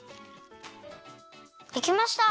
できました！